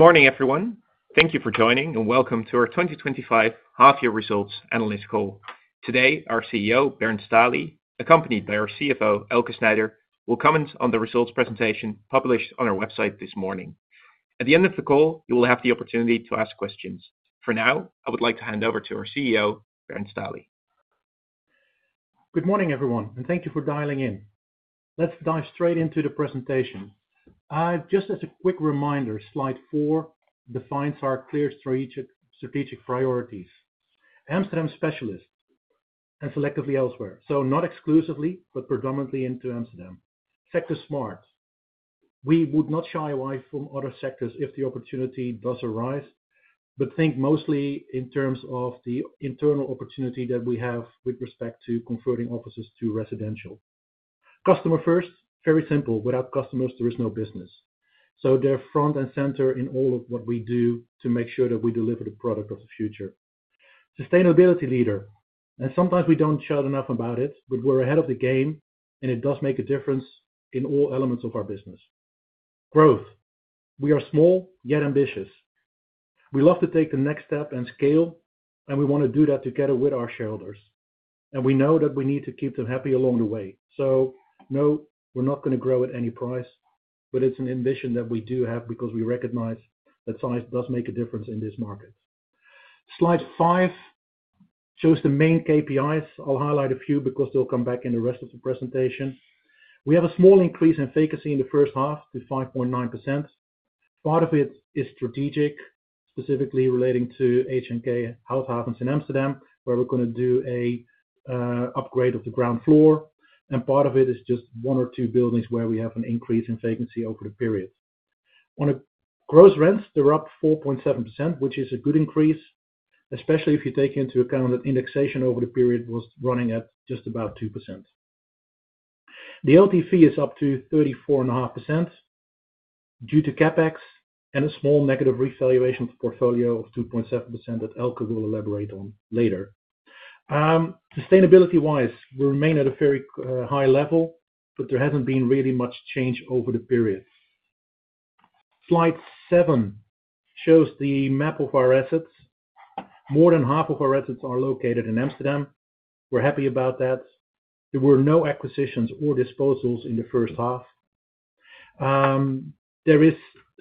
Good morning, everyone. Thank you for joining and welcome to our 2025 half-year results analyst call. Today, our CEO, Bernd Stahli, accompanied by our CFO, Elke Snijder, will comment on the results presentation published on our website this morning. At the end of the call, you will have the opportunity to ask questions. For now, I would like to hand over to our CEO, Bernd Stahli. Good morning, everyone, and thank you for dialing in. Let's dive straight into the presentation. Just as a quick reminder, slide four defines our clear strategic priorities: Amsterdam Specialist and selectively elsewhere, so not exclusively, but predominantly into Amsterdam. Sector smart. We would not shy away from other sectors if the opportunity does arise, but think mostly in terms of the internal opportunity that we have with respect to converting offices to residential. Customer first, very simple. Without customers, there is no business. They're front and center in all of what we do to make sure that we deliver the product of the future. Sustainability leader. Sometimes we don't shout enough about it, but we're ahead of the game, and it does make a difference in all elements of our business. Growth. We are small yet ambitious. We love to take the next step and scale, and we want to do that together with our shareholders. We know that we need to keep them happy along the way. No, we're not going to grow at any price, but it's an ambition that we do have because we recognize that size does make a difference in this market. Slide five shows the main KPIs. I'll highlight a few because they'll come back in the rest of the presentation. We have a small increase in vacancy in the first half with 5.9%. Part of it is strategic, specifically relating to HNK Health Havens in Amsterdam, where we're going to do an upgrade of the ground floor. Part of it is just one or two buildings where we have an increase in vacancy over the period. On a gross rent, they're up 4.7%, which is a good increase, especially if you take into account that indexation over the period was running at just about 2%. The LTV is up to 34.5% due to CapEx and a small negative revaluation of the portfolio of 2.7% that Elke will elaborate on later. Sustainability-wise, we remain at a very high level, but there hasn't been really much change over the period. Slide seven shows the map of our assets. More than half of our assets are located in Amsterdam. We're happy about that. There were no acquisitions or disposals in the first half. There is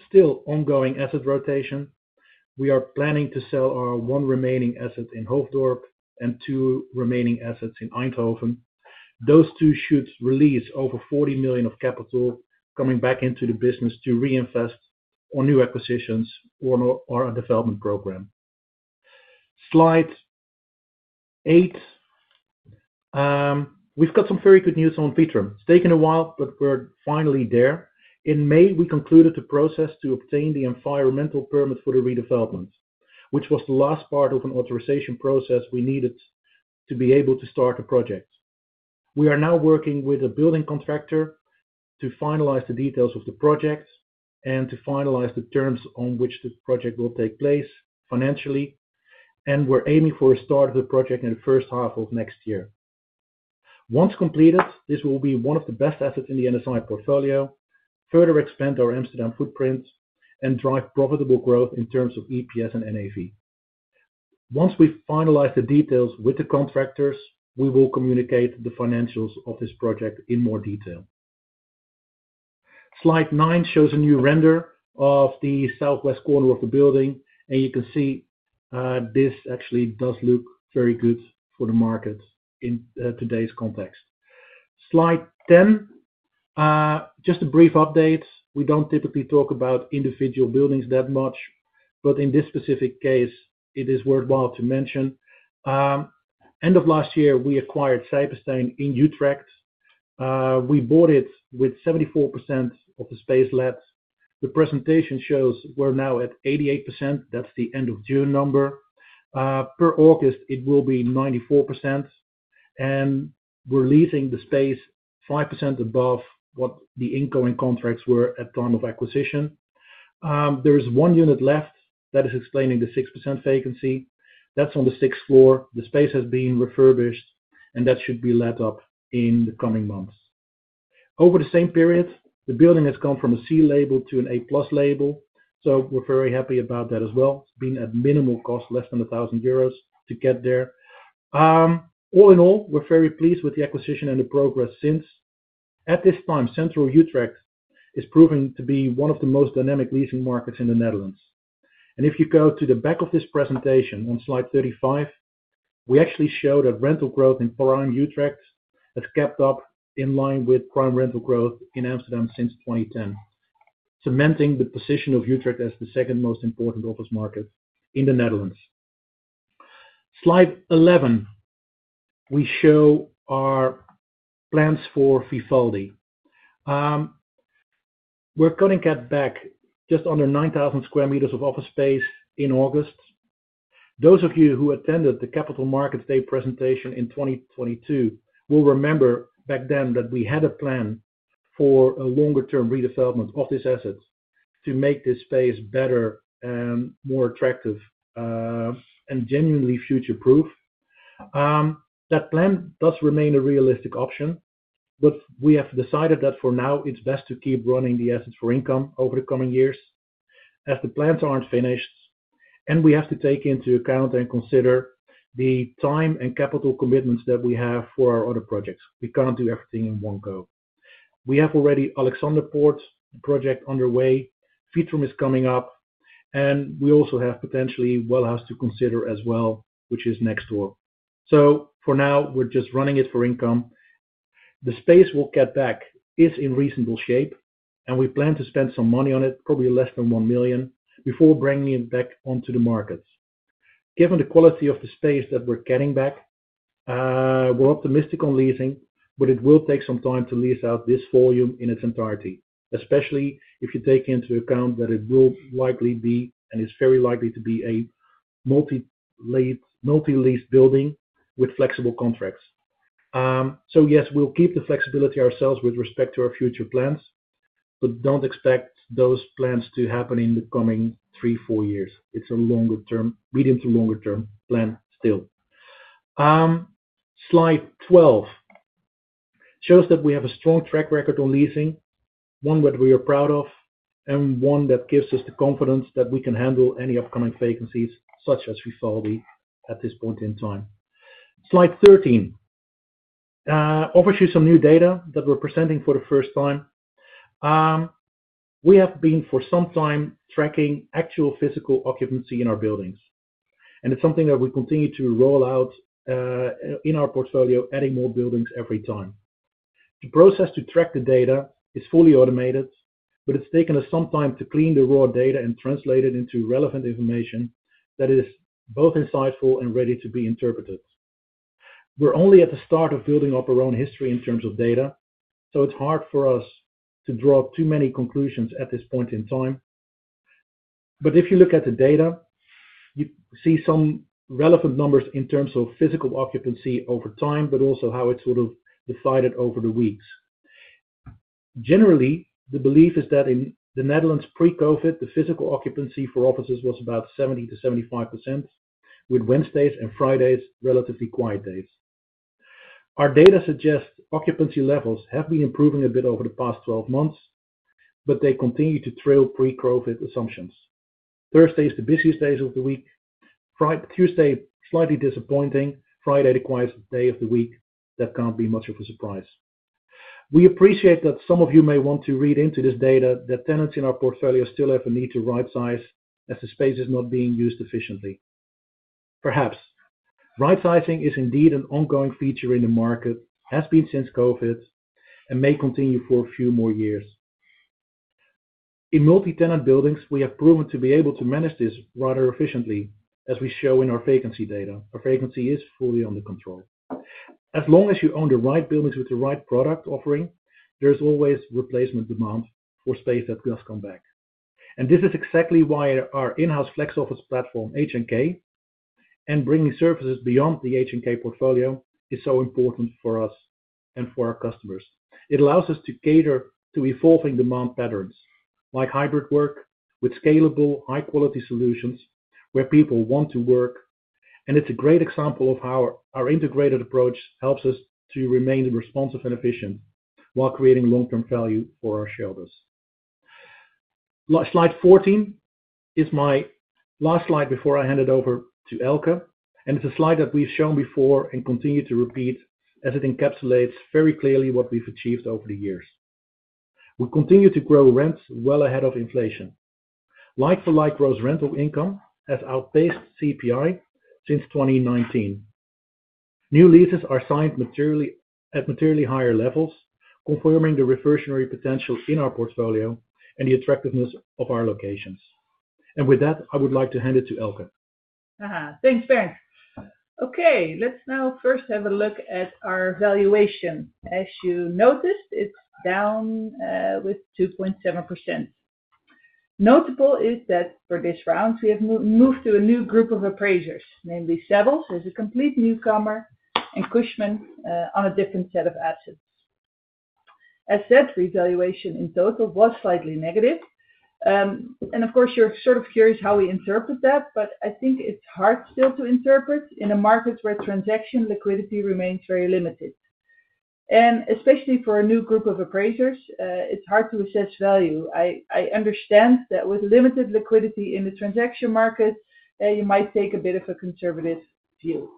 still ongoing asset rotation. We are planning to sell our one remaining asset in Hoofddorp and two remaining assets in Eindhoven. Those two should release over 40 million of capital coming back into the business to reinvest on new acquisitions or our development program. Slide eight. We've got some very good news on Vitrum. It's taken a while, but we're finally there. In May, we concluded the process to obtain the environmental permit for the redevelopment, which was the last part of an authorization process we needed to be able to start the project. We are now working with a building contractor to finalize the details of the project and to finalize the terms on which the project will take place financially. We're aiming for a start of the project in the first half of next year. Once completed, this will be one of the best assets in the NSI portfolio, further expand our Amsterdam footprint, and drive profitable growth in terms of EPS and NAV. Once we've finalized the details with the contractors, we will communicate the financials of this project in more detail. Slide nine shows a new render of the southwest corner of the building, and you can see, this actually does look very good for the market in today's context. Slide ten, just a brief update. We don't typically talk about individual buildings that much, but in this specific case, it is worthwhile to mention. End of last year, we acquired Sypesteyn in Utrecht. We bought it with 74% of the space left. The presentation shows we're now at 88%. That's the end of June number. Per August, it will be 94%. We're leasing the space 5% above what the incoming contracts were at the time of acquisition. There is one unit left that is explaining the 6% vacancy. That's on the sixth floor. The space has been refurbished, and that should be let up in the coming months. Over the same period, the building has gone from a C label to an A+ label. We're very happy about that as well. It's been at minimal cost, less than 1,000 euros to get there. All in all, we're very pleased with the acquisition and the progress since. At this time, central Utrecht is proving to be one of the most dynamic leasing markets in the Netherlands. If you go to the back of this presentation on slide 35, we actually show that rental growth in Pararius Utrecht has kept up in line with prime rental growth in Amsterdam since 2010, cementing the position of Utrecht as the second most important office market in the Netherlands. Slide 11. We show our plans for Vivaldi. We're cutting that back just under 9,000 sq m of office space in August. Those of you who attended the Capital Markets Day presentation in 2022 will remember back then that we had a plan for a longer-term redevelopment of this asset to make this space better and more attractive, and genuinely future-proof. That plan does remain a realistic option, but we have decided that for now, it's best to keep running the assets for income over the coming years as the plans aren't finished. We have to take into account and consider the time and capital commitments that we have for our other projects. We can't do everything in one go. We have already Alexanderpoort project underway. Vitrum is coming up. We also have potentially Well House to consider as well, which is next door. For now, we're just running it for income. The space we'll get back is in reasonable shape, and we plan to spend some money on it, probably less than 1 million, before bringing it back onto the markets. Given the quality of the space that we're getting back, we're optimistic on leasing, but it will take some time to lease out this volume in its entirety, especially if you take into account that it will likely be and is very likely to be a multi-lease building with flexible contracts. We'll keep the flexibility ourselves with respect to our future plans, but don't expect those plans to happen in the coming three, four years. It's a longer-term, medium to longer-term plan still. Slide 12 shows that we have a strong track record on leasing, one that we are proud of, and one that gives us the confidence that we can handle any upcoming vacancies such as Vivaldi at this point in time. Slide 13 offers you some new data that we're presenting for the first time. We have been for some time tracking actual physical occupancy in our buildings. It's something that we continue to roll out in our portfolio, adding more buildings every time. The process to track the data is fully automated, but it's taken us some time to clean the raw data and translate it into relevant information that is both insightful and ready to be interpreted. We're only at the start of building up our own history in terms of data, so it's hard for us to draw too many conclusions at this point in time. If you look at the data, you see some relevant numbers in terms of physical occupancy over time, but also how it sort of decided over the weeks. Generally, the belief is that in the Netherlands, pre-COVID, the physical occupancy for offices was about 70%-75%, with Wednesdays and Fridays relatively quiet days. Our data suggests occupancy levels have been improving a bit over the past 12 months, but they continue to throw pre-COVID assumptions. Thursday is the busiest day of the week. Tuesday, slightly disappointing. Friday, the quietest day of the week. That can't be much of a surprise. We appreciate that some of you may want to read into this data that tenants in our portfolio still have a need to right-size as the space is not being used efficiently. Perhaps. Right-sizing is indeed an ongoing feature in the market, as been since COVID, and may continue for a few more years. In multi-tenant buildings, we have proven to be able to manage this rather efficiently, as we show in our vacancy data. Our vacancy is fully under control. As long as you own the right buildings with the right product offering, there's always replacement demand for space that does come back. This is exactly why our in-house flex office platform, HNK, and bringing services beyond the HNK portfolio is so important for us and for our customers. It allows us to cater to evolving demand patterns, like hybrid work, with scalable, high-quality solutions where people want to work. It's a great example of how our integrated approach helps us to remain responsive and efficient while creating long-term value for our shareholders. Slide 14 is my last slide before I hand it over to Elke, and it's a slide that we've shown before and continue to repeat as it encapsulates very clearly what we've achieved over the years. We continue to grow rents well ahead of inflation. Like-for-like gross rental income has outpaced CPI since 2019. New leases are signed at materially higher levels, confirming the reversionary potential in our portfolio and the attractiveness of our locations. With that, I would like to hand it to Elke. Thanks, Bernd. Okay, let's now first have a look at our valuation. As you noticed, it's down with 2.7%. Notable is that for this round, we have moved to a new group of appraisers, namely Savills, who is a complete newcomer, and Cushman on a different set of assets. As said, revaluation in total was slightly negative. Of course, you're sort of curious how we interpret that, but I think it's hard still to interpret in a market where transaction liquidity remains very limited. Especially for a new group of appraisers, it's hard to assess value. I understand that with limited liquidity in the transaction market, you might take a bit of a conservative view.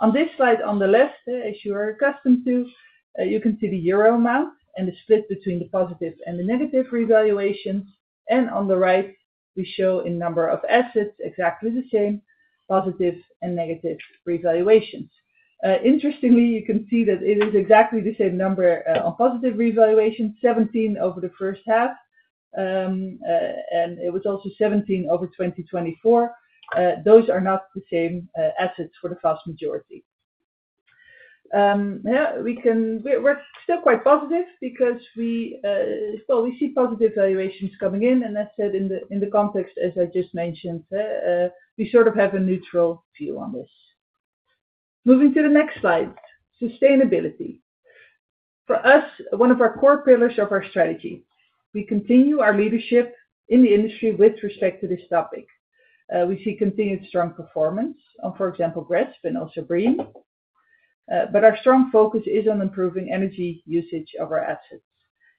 On this slide on the left, as you are accustomed to, you can see the euro amount and the split between the positive and the negative revaluation. On the right, we show in number of assets exactly the same positive and negative revaluations. Interestingly, you can see that it is exactly the same number on positive revaluation, 17 over the first half, and it was also 17 over 2024. Those are not the same assets for the vast majority. We're still quite positive because we still see positive valuations coming in. As said in the context, as I just mentioned, we sort of have a neutral view on this. Moving to the next slide, sustainability. For us, one of our core pillars of our strategy, we continue our leadership in the industry with respect to this topic. We see continued strong performance on, for example, GRESB and also BREEAM. Our strong focus is on improving energy usage of our assets.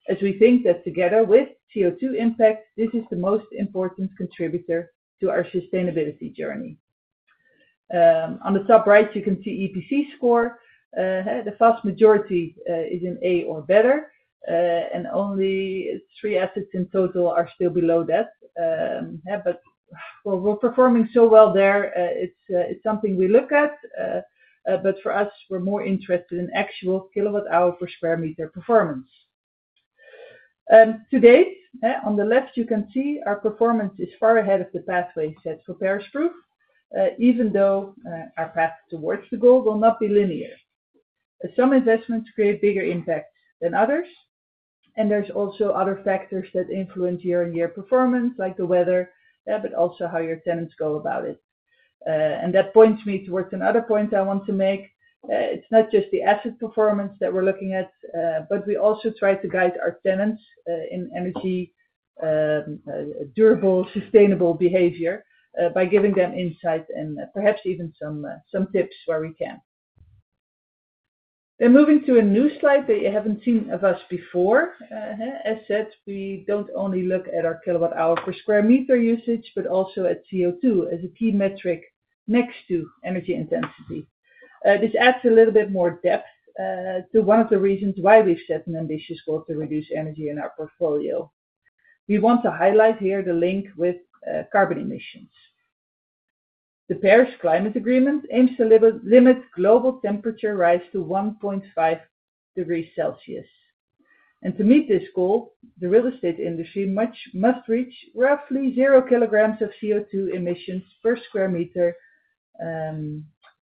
As we think that together with CO2 impact, this is the most important contributor to our sustainability journey. On the top right, you can see EPC score. The vast majority is in A or better, and only three assets in total are still below that. While we're performing so well there, it's something we look at. For us, we're more interested in actual kilowatt-hour per square meter performance. Today, on the left, you can see our performance is far ahead of the pathway set for Paris Proof, even though our path towards the goal will not be linear. Some investments create bigger impacts than others. There are also other factors that influence year-on-year performance, like the weather, but also how your tenants go about it. That points me towards another point I want to make. It's not just the asset performance that we're looking at, but we also try to guide our tenants in energy, durable, sustainable behavior by giving them insight and perhaps even some tips where we can. Moving to a new slide that you haven't seen of us before. As such, we don't only look at our kilowatt-hour per square meter usage, but also at CO2 as a key metric next to energy intensity. This adds a little bit more depth to one of the reasons why we've set an ambitious goal to reduce energy in our portfolio. We want to highlight here the link with carbon emissions. The Paris Climate Agreement aims to limit global temperature rise to 1.5 degrees Celsius. To meet this goal, the real estate industry must reach roughly 0 kg of CO2 emissions per square meter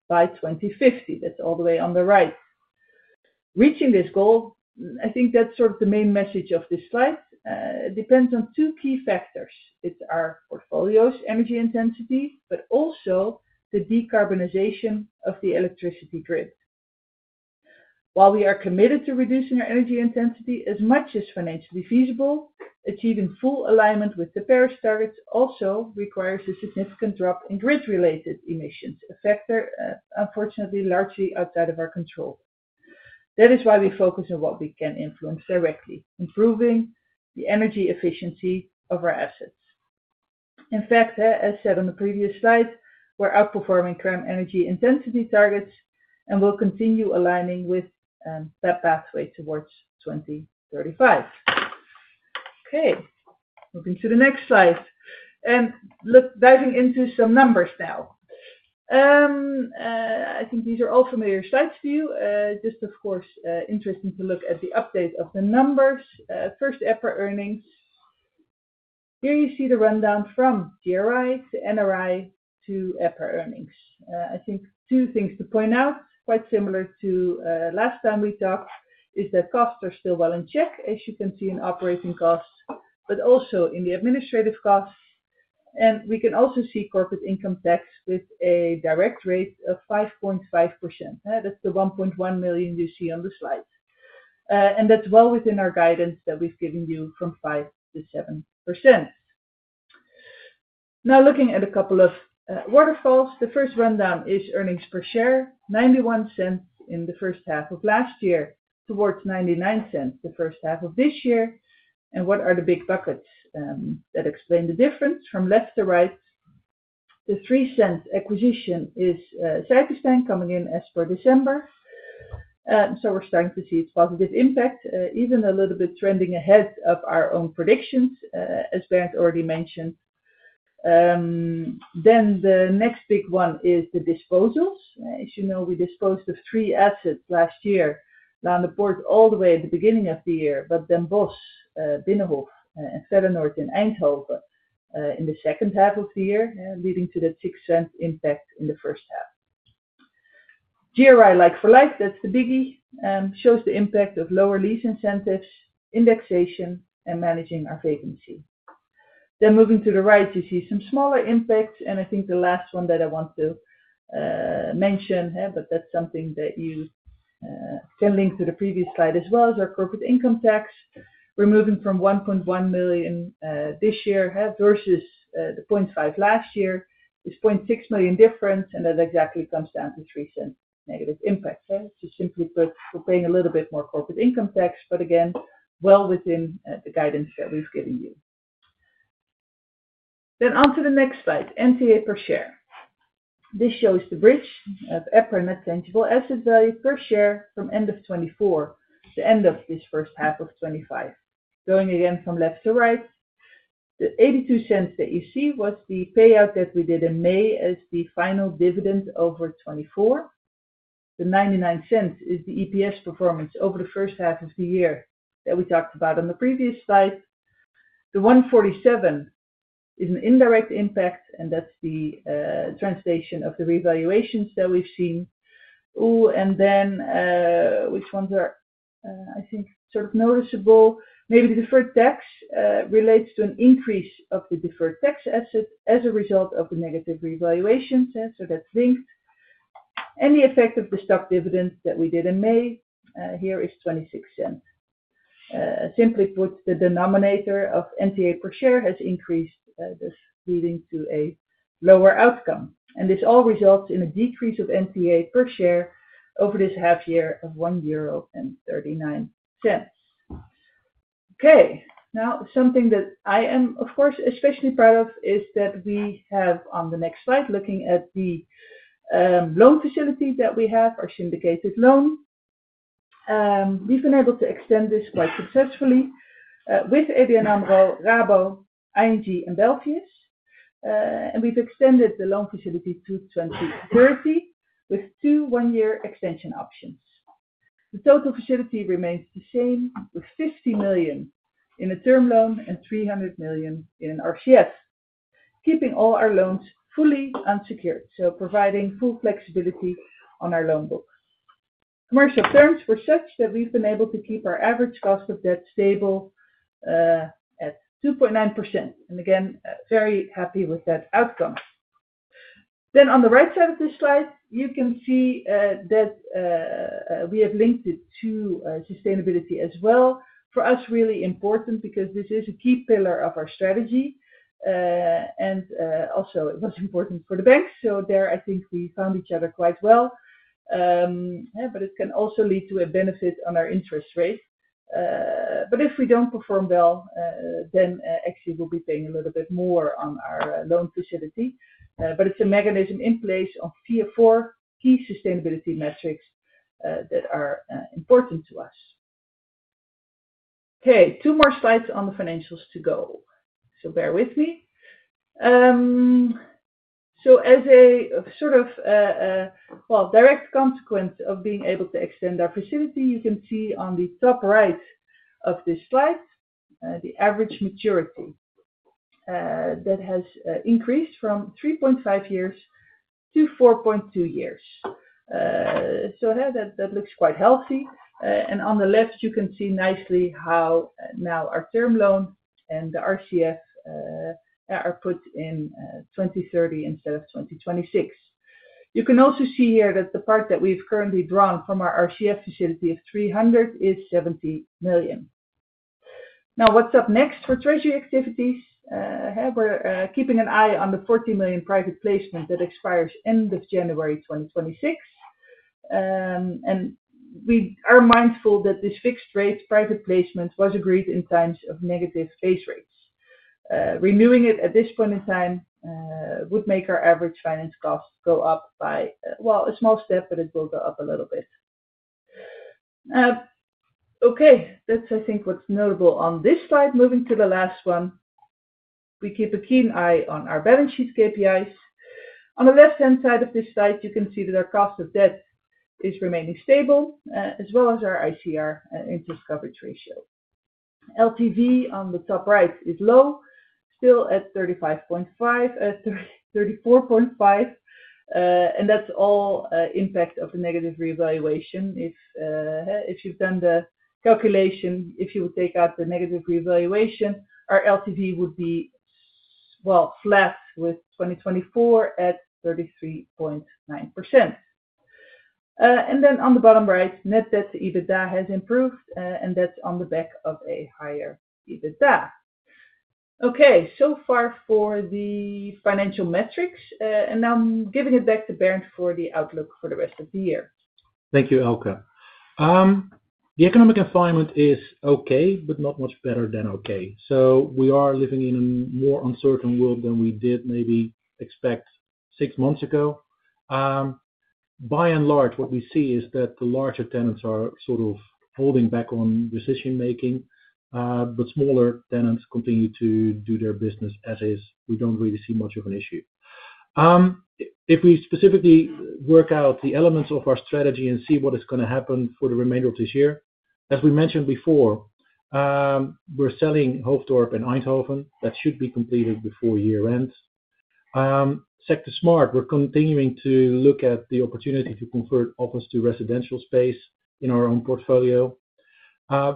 by 2050. That's all the way on the right. Reaching this goal, I think that's sort of the main message of this slide. It depends on two key factors. It's our portfolio's energy intensity, but also the decarbonization of the electricity grid. While we are committed to reducing our energy intensity as much as financially feasible, achieving full alignment with the Paris targets also requires a significant drop in grid-related emissions, a factor, unfortunately, largely outside of our control. That is why we focus on what we can influence directly, improving the energy efficiency of our assets. In fact, as said on the previous slide, we're outperforming current energy intensity targets and will continue aligning with that pathway towards 2035. Okay. Moving to the next slide. Diving into some numbers now. I think these are all familiar slides to you. Just, of course, interesting to look at the update of the numbers. First, EPRA earnings. Here you see the rundown from GRI to NRI to EPRA earnings. I think two things to point out, quite similar to last time we talked, is that costs are still well in check, as you can see in operating costs, but also in the administrative costs. We can also see corporate income tax with a direct rate of 5.5%. That's the $1.1 million you see on the slide. That's well within our guidance that we've given you from 5%-7%. Now looking at a couple of waterfalls, the first rundown is earnings per share, $0.91 in the first half of last year towards $0.99 the first half of this year. What are the big buckets that explain the difference? From left to right, the $0.03 acquisition is Sypesteyn coming in as per December. We're starting to see its positive impact, even a little bit trending ahead of our own predictions, as Bernd already mentioned. The next big one is the disposals. As you know, we disposed of three assets last year, Laanderpoort all the way at the beginning of the year, but then both Binnenhof and Stellenhorst in Eindhoven in the second half of the year, leading to the $0.06 impact in the first half. GRI, like for like, that's the biggie, shows the impact of lower lease incentives, indexation, and managing our vacancy. Moving to the right, you see some smaller impacts, and I think the last one that I want to mention, but that's something that you can link to the previous slide as well, is our corporate income tax. We're moving from $1.1 million this year, versus the $0.5 million last year, is $0.6 million difference, and that exactly comes down to $0.03 negative impact. To simply put, we're paying a little bit more corporate income tax, but again, well within the guidance that we've given you. On to the next slide, NTA per share. This shows the bridge of NTA, net tangible asset value per share, from end of 2024 to end of this first half of 2025. Going again from left to right, the $0.82 that you see was the payout that we did in May as the final dividend over 2024. The $0.99 is the EPS performance over the first half of the year that we talked about on the previous slide. The $1.47 is an indirect impact, and that's the translation of the revaluations that we've seen. Which ones are, I think, sort of noticeable? Maybe the deferred tax relates to an increase of the deferred tax asset as a result of the negative revaluations. That's linked. The effect of the stock dividend that we did in May here is $0.26. Simply put, the denominator of NTA per share has increased, this leading to a lower outcome. This all results in a decrease of NTA per share over this half year of 1.39 euro. Now, something that I am, of course, especially proud of is that we have on the next slide looking at the loan facility that we have, our syndicated loan. We've been able to extend this quite successfully with ABN AMRO, Rabo, ING, and Belfius. We've extended the loan facility to 2030 with two one-year extension options. The total facility remains the same with $50 million in a term loan and $300 million in an RCF, keeping all our loans fully unsecured, so providing full flexibility on our loan book. Commercial terms were such that we've been able to keep our average cost of debt stable at 2.9%. Very happy with that outcome. On the right side of this slide, you can see that we have linked it to sustainability as well. For us, really important because this is a key pillar of our strategy. It was important for the banks. I think we found each other quite well. It can also lead to a benefit on our interest rate. If we don't perform well, actually, we'll be paying a little bit more on our loan facility. It's a mechanism in place of four key sustainability metrics that are important to us. Two more slides on the financials to go, so bear with me. As a direct consequence of being able to extend our facility, you can see on the top right of this slide the average maturity that has increased from 3.5 years to 4.2 years. That looks quite healthy. On the left, you can see nicely how now our term loan and the RCF are put in 2030 instead of 2026. You can also see here that the part that we have currently drawn from our RCF facility of 300 million is 70 million. What's up next for treasury activities? We're keeping an eye on the 40 million private placement that expires end of January 2026. We are mindful that this fixed rate private placement was agreed in times of negative base rates. Renewing it at this point in time would make our average finance cost go up by a small step, but it will go up a little bit. That's what's notable on this slide. Moving to the last one, we keep a keen eye on our balance sheet KPIs. On the left-hand side of this slide, you can see that our cost of debt is remaining stable, as well as our ICR interest coverage ratio. LTV on the top right is low, still at 35.5%, 34.5%. That's all impact of the negative revaluation. If you've done the calculation, if you would take out the negative revaluation, our LTV would be less with 2024 at 33.9%. On the bottom right, net debt to EBITDA has improved, and that's on the back of a higher EBITDA. So far for the financial metrics. I'm giving it back to Bernd for the outlook for the rest of the year. Thank you, Elke. The economic environment is okay, but not much better than okay. We are living in a more uncertain world than we did maybe expect six months ago. By and large, what we see is that the larger tenants are sort of holding back on decision-making, but smaller tenants continue to do their business as is. We don't really see much of an issue. If we specifically work out the elements of our strategy and see what is going to happen for the remainder of this year, as we mentioned before, we're selling Hoofddorp and Eindhoven. That should be completed before year end. Sector smart, we're continuing to look at the opportunity to convert office to residential space in our own portfolio.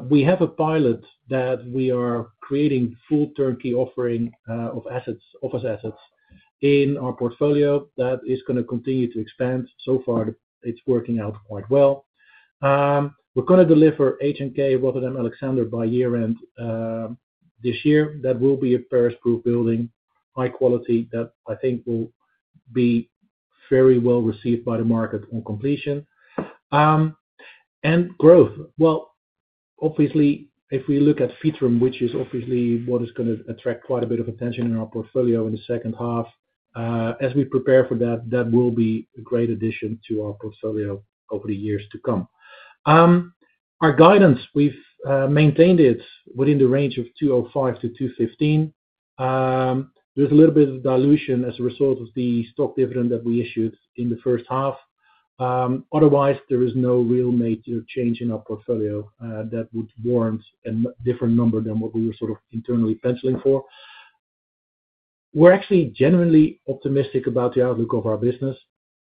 We have a pilot that we are creating full turnkey offering of office assets in our portfolio that is going to continue to expand. So far, it's working out quite well. We are going to deliver HNK Rotterdam Alexander by year-end this year. That will be a Paris Proof building, high quality, that I think will be very well received by the market on completion. Growth, if we look at Vitrum, which is obviously what is going to attract quite a bit of attention in our portfolio in the second half, as we prepare for that, that will be a great addition to our portfolio over the years to come. Our guidance, we've maintained it within the range of 2.05-2.15. There's a little bit of dilution as a result of the stock dividend that we issued in the first half. Otherwise, there is no real major change in our portfolio that would warrant a different number than what we were sort of internally penciling for. We're actually genuinely optimistic about the outlook of our business,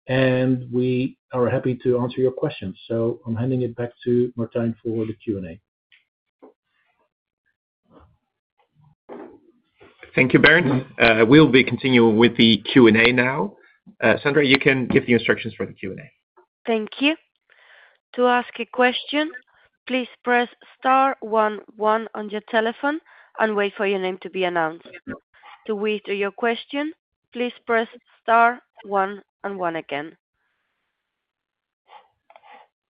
and we are happy to answer your questions. I'm handing it back to Martijn for the Q&A. Thank you, Bernd. We'll be continuing with the Q&A now. Sandra, you can give the instructions for the Q&A. Thank you. To ask a question, please press star one one on your telephone and wait for your name to be announced. To withdraw your question, please press star one and one again.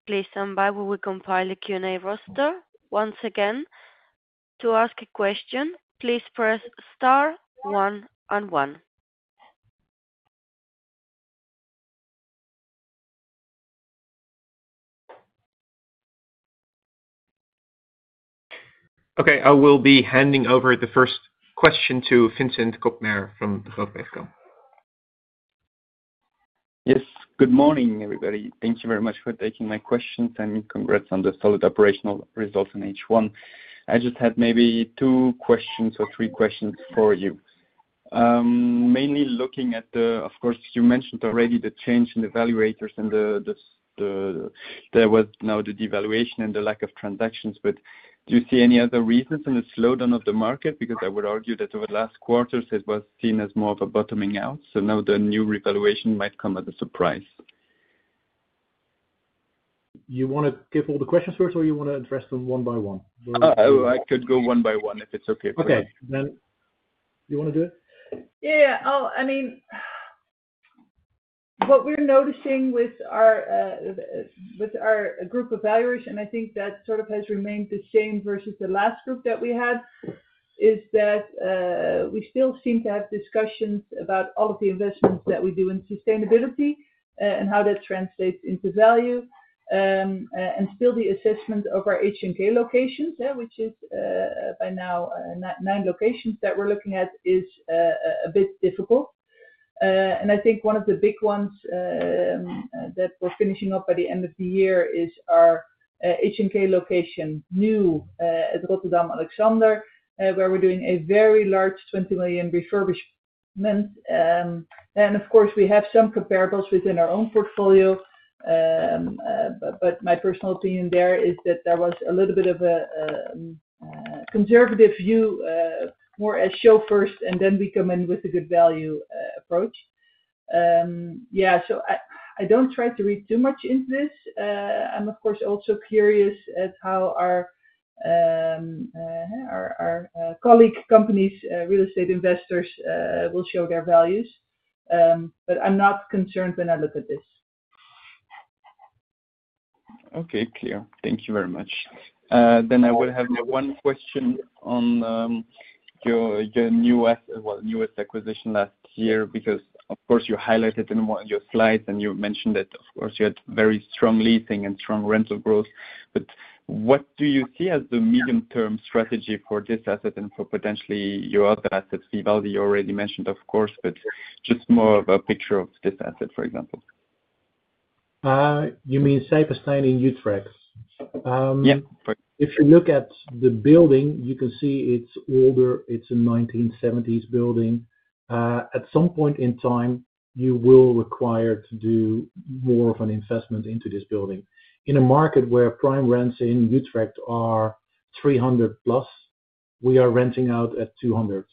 Please stand by while we compile the Q&A roster. Once again, to ask a question, please press star one and one. Okay, I will be handing over the first question to Vincent Koppmair from Degroof Petercam. Yes. Good morning, everybody. Thank you very much for taking my questions. Congrats on the solid operational results in H1. I just had maybe two questions or three questions for you. Mainly looking at the, of course, you mentioned already the change in the valuators, and there was now the devaluation and the lack of transactions. Do you see any other reasons in the slowdown of the market? I would argue that over the last quarters, it was seen as more of a bottoming out. Now the new revaluation might come as a surprise. you want to take all the questions first, or do you want to address them one by one? I could go one by one if it's okay for you. Okay, do you want to do it? Yeah. What we're noticing with our group evaluation, I think that sort of has remained the same versus the last group that we had, is that we still seem to have discussions about all of the investments that we do in sustainability and how that translates into value. Still, the assessment of our HNK locations, which is by now nine locations that we're looking at, is a bit difficult. I think one of the big ones that we're finishing up by the end of the year is our HNK location new at Rotterdam Alexander, where we're doing a very large 20 million refurbishment. Of course, we have some comparables within our own portfolio. My personal opinion there is that there was a little bit of a conservative view, more as show first, and then we come in with a good value approach. I don't try to read too much into this. I'm, of course, also curious at how our colleague companies, real estate investors, will show their values. I'm not concerned when I look at this. Okay. Clear. Thank you very much. I will have one question on your newest, newest acquisition last year because, of course, you highlighted in one of your slides, and you mentioned that, of course, you had very strong leasing and strong rental growth. What do you see as the medium-term strategy for this asset and for potentially your other assets? Vivaldi you already mentioned, of course, just more of a picture of this asset, for example. You mean Sypesteyn in Utrecht? Yeah. If you look at the building, you can see it's older. It's a 1970s building. At some point in time, you will require to do more of an investment into this building. In a market where prime rents in Utrecht are 300+ we are renting out at 200.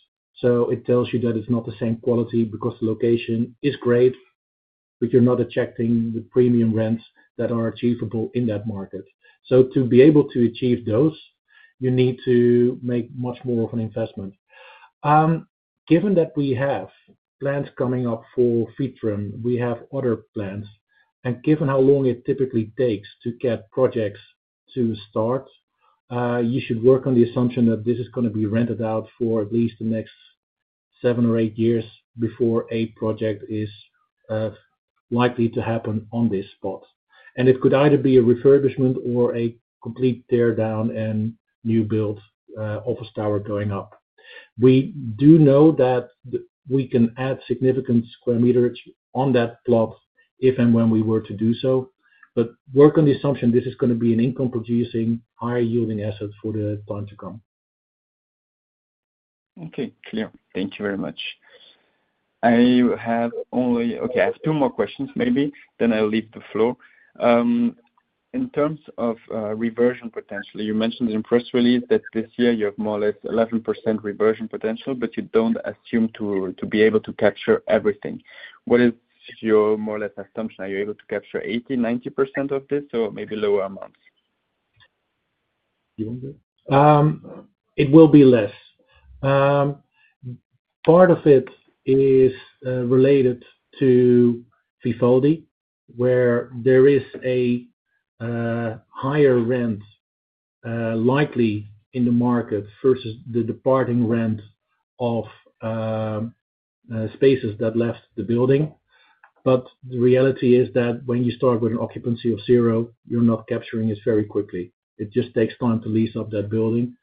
It tells you that it's not the same quality because the location is great, but you're not attracting the premium rents that are achievable in that market. To be able to achieve those, you need to make much more of an investment. Given that we have plans coming up for Vitrum, we have other plans. Given how long it typically takes to get projects to start, you should work on the assumption that this is going to be rented out for at least the next seven or eight years before a project is likely to happen on this spot. It could either be a refurbishment or a complete teardown and new build office tower going up. We do know that we can add significant sq m on that plot if and when we were to do so. Work on the assumption this is going to be an income-producing, higher yielding asset for the time to come. Okay. Clear. Thank you very much. I have only, okay, I have two more questions, maybe. I'll leave the floor. In terms of reversion potential, you mentioned in the press release that this year you have more or less 11% reversion potential, but you don't assume to be able to capture everything. What is your more or less assumption? Are you able to capture 80%, 90% of this, or maybe lower amounts? It will be less. Part of it is related to Vivaldi, where there is a higher rent likely in the market versus the departing rent of spaces that left the building. The reality is that when you start with an occupancy of zero, you're not capturing it very quickly. It just takes time to lease up that building.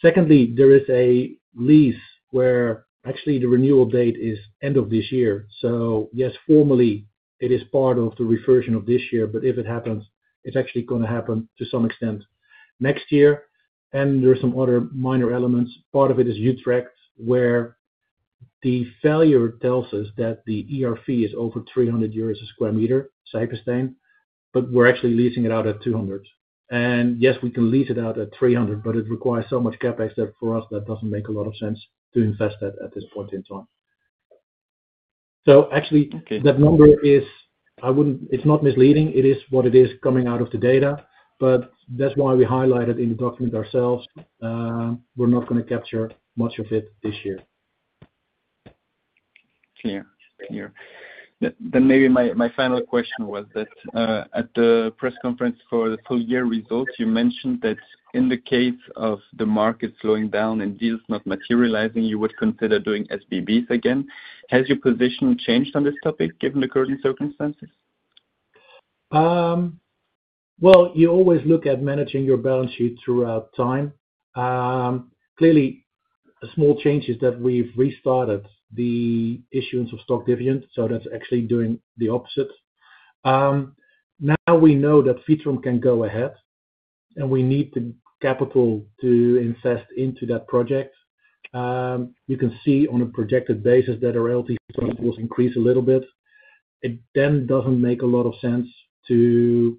Secondly, there is a lease where actually the renewal date is end of this year. Yes, formally, it is part of the reversion of this year, but if it happens, it's actually going to happen to some extent next year. There are some other minor elements. Part of it is Utrecht, where the failure tells us that the ERP is over 300 euros a square meter, Sypesteyn, but we're actually leasing it out at 200. Yes, we can lease it out at 300, but it requires so much CapEx that for us, that doesn't make a lot of sense to invest that at this point in time. Actually, that number is, I wouldn't, it's not misleading. It is what it is coming out of the data. That's why we highlighted in the document ourselves. We're not going to capture much of it this year. Clear. Clear. Maybe my final question was that at the press conference for the full-year results, you mentioned that in the case of the market slowing down and deals not materializing, you would consider doing SBBs again. Has your position changed on this topic, given the current circumstances? You always look at managing your balance sheet throughout time. Clearly, a small change is that we've restarted the issuance of stock dividend. That's actually doing the opposite. Now we know that Vitrum can go ahead, and we need the capital to invest into that project. You can see on a projected basis that our LTV will increase a little bit. It doesn't make a lot of sense to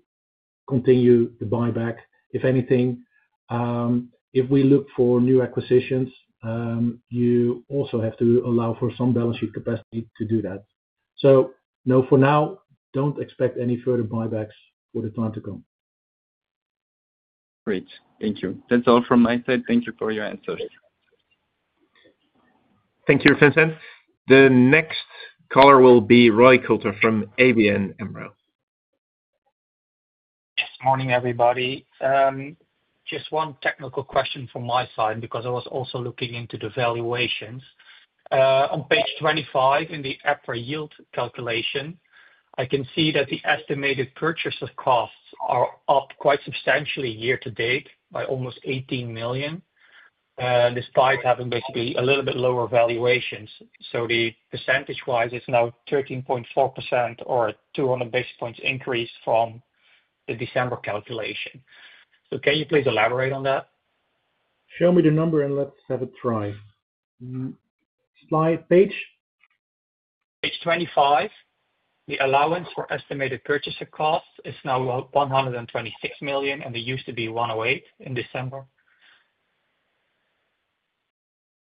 continue the buyback. If anything, if we look for new acquisitions, you also have to allow for some balance sheet capacity to do that. No, for now, don't expect any further buybacks for the time to come. Great. Thank you. That's all from my side. Thank you for your answers. Thank you, Vincent. The next caller will be Roy Külter from ABN AMRO. Morning, everybody. Just one technical question from my side because I was also looking into the valuations. On page 25 in the EPRA yield calculation, I can see that the estimated purchaser costs are up quite substantially year to date by almost 18 million, despite having basically a little bit lower valuations. The percentage-wise is now 13.4% or a 200 basis points increase from the December calculation. Can you please elaborate on that? Show me the number, and let's have a try. Slide page. Page 25. The allowance for estimated purchaser cost is now 126 million, and it used to be 108 million in December.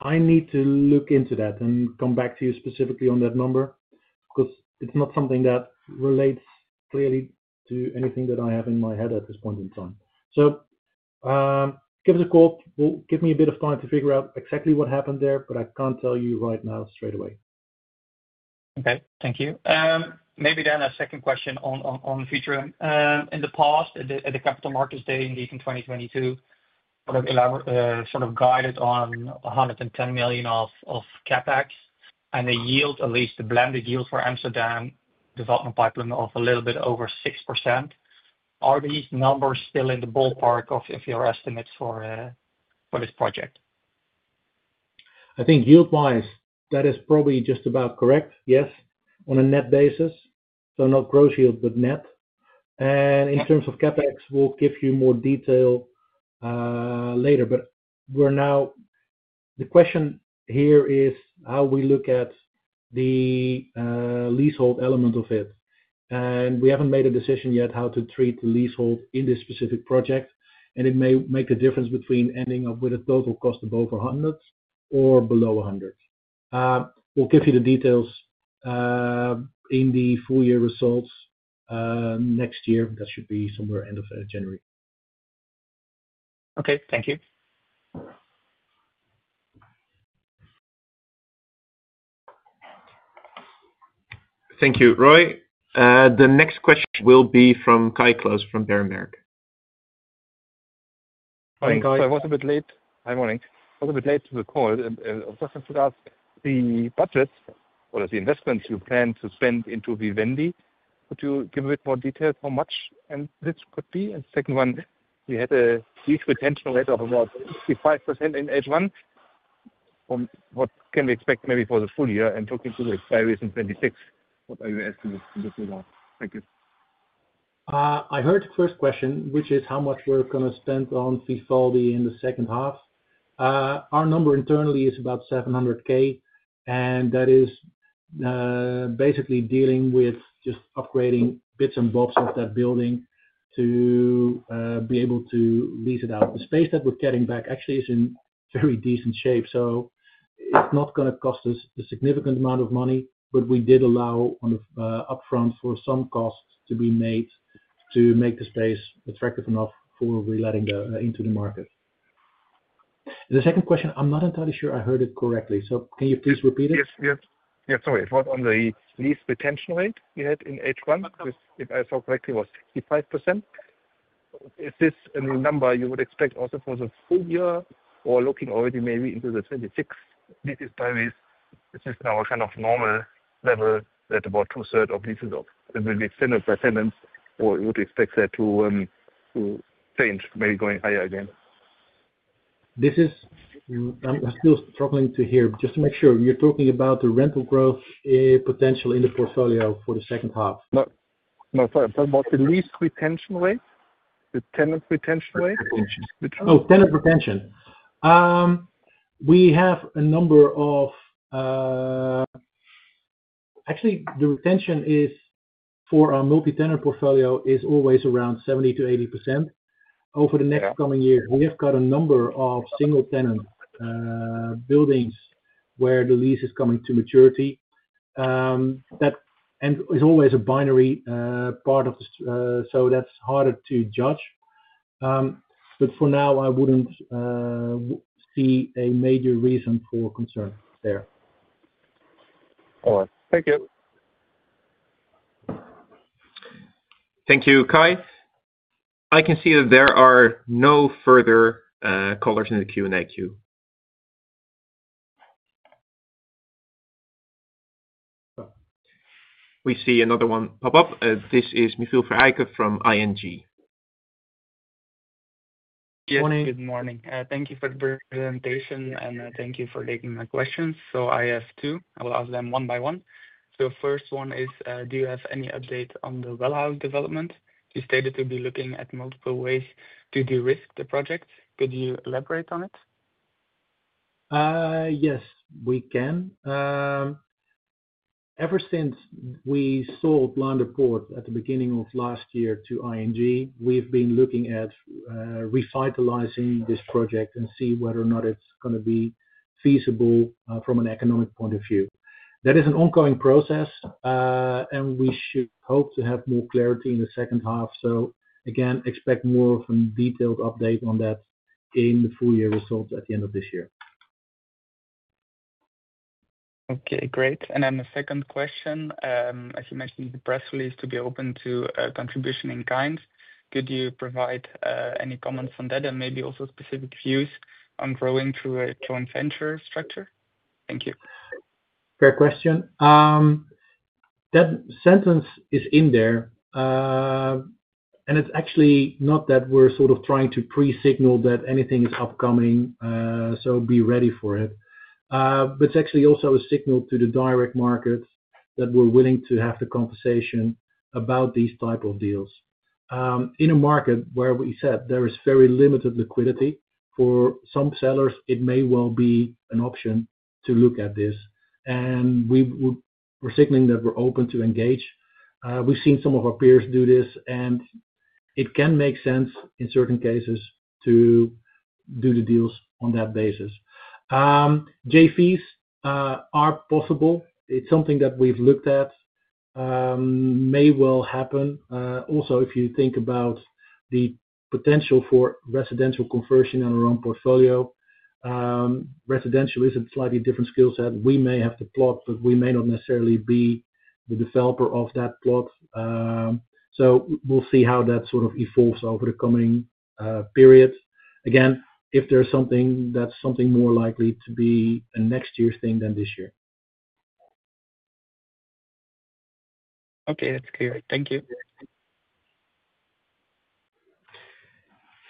I need to look into that and come back to you specifically on that number because it's not something that relates clearly to anything that I have in my head at this point in time. Give us a call. Give me a bit of time to figure out exactly what happened there, but I can't tell you right now straight away. Okay. Thank you. Maybe then a second question on Vitrum. In the past, at the Capital Markets Day indeed in 2022, we have sort of guided on 110 million of CapEx, and the yield, at least the blended yield for Amsterdam development pipeline, of a little bit over 6%. Are these numbers still in the ballpark of your estimates for this project? I think yield-wise, that is probably just about correct, yes, on a net basis. Not gross yield, but net. In terms of CapEx, we'll give you more detail later. We're now, the question here is how we look at the leasehold element of it. We haven't made a decision yet how to treat the leasehold in this specific project. It may make a difference between ending up with a total cost of over 100 million or below 100 million. We'll give you the details in the full-year results next year. That should be somewhere end of January. Okay, thank you. Thank you, Roy. The next question will be from Kai Klose from Berenberg. Hi, Kai. I was a bit late. Hi, morning. I was a bit late to the call, and of course, I forgot the budgets or the investments you plan to spend into Vitrum. Could you give a bit more detail how much this could be? The second one, you had a lease retention rate of about 65% in H1. What can we expect maybe for the full year? Talking to the fairies in 2026, what are your estimates? I heard the first question, which is how much we're going to spend on Vivaldi in the second half. Our number internally is about 700,000, and that is basically dealing with just upgrading bits and bobs of that building to be able to lease it out. The space that we're getting back actually is in very decent shape. That's not going to cost us a significant amount of money, but we did allow on the upfront for some costs to be made to make the space attractive enough for reloading into the market. The second question, I'm not entirely sure I heard it correctly. Can you please repeat it? Yes, sorry. It was on the lease retention rate you had in H1. If I saw correctly, it was 65%. Is this a number you would expect also for the full year or looking already maybe into the 2026 leases? Is it just in our kind of normal level that about two-thirds of leases will be extended by tenants, or would you expect that to change, maybe going higher again? I'm still struggling to hear. Just to make sure, you're talking about the rental growth potential in the portfolio for the second half. Sorry. What's the lease retention rate, the tenant retention rate? Oh, tenant retention. We have a number of, actually, the retention for our multi-tenant portfolio is always around 70%-80% over the next coming year. We have got a number of single-tenant buildings where the lease is coming to maturity. It's always a binary part of the, so that's harder to judge. For now, I wouldn't see a major reason for concern there. All right. Thank you. Thank you, Kai. I can see that there are no further callers in the Q&A queue. We see another one pop up. This is Mifil Feraykut from ING. Good morning. Thank you for the presentation, and thank you for taking my questions. I have two. I will ask them one by one. The first one is, do you have any updates on the Well House development? You stated you'd be looking at multiple ways to de-risk the project. Could you elaborate on it? Yes, we can. Ever since we sold Landeport at the beginning of last year to ING, we've been looking at recycling this project and see whether or not it's going to be feasible from an economic point of view. That is an ongoing process, and we should hope to have more clarity in the second half. Expect more of a detailed update on that in the full-year results at the end of this year. Okay. Great. The second question, as you mentioned in the press release, is to be open to a contribution in kind. Could you provide any comments on that and maybe also specific views on growing through a joint venture structure? Thank you. Fair question. That sentence is in there. It's actually not that we're sort of trying to pre-signal that anything is upcoming, so be ready for it. It's actually also a signal to the direct market that we're willing to have the conversation about these types of deals. In a market where we said there is very limited liquidity for some sellers, it may well be an option to look at this. We're signaling that we're open to engage. We've seen some of our peers do this, and it can make sense in certain cases to do the deals on that basis. Joint ventures are possible. It's something that we've looked at. May well happen. Also, if you think about the potential for residential conversion in our own portfolio, residential is a slightly different skill set. We may have the plot, but we may not necessarily be the developer of that plot. We'll see how that sort of evolves over the coming period. Again, if there's something, that's something more likely to be a next year's thing than this year. Okay, that's clear. Thank you.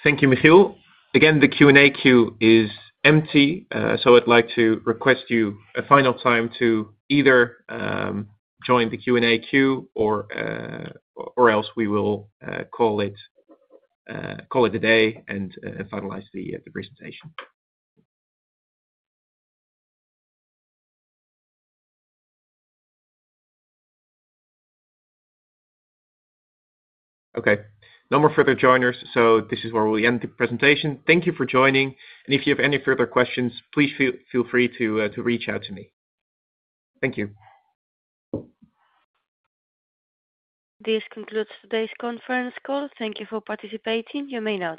Thank you. Again, the Q&A queue is empty. I'd like to request you a final time to either join the Q&A queue or else we will call it a day and finalize the presentation. Okay, no more further joiners. This is where we end the presentation. Thank you for joining. If you have any further questions, please feel free to reach out to me. Thank you. This concludes today's conference call. Thank you for participating. You may now.